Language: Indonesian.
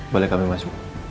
boleh kami masuk